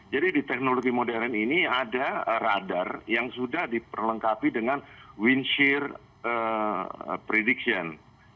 jadi di teknologi modern ini ada radar yang sudah diperlengkapi dengan windshear prediction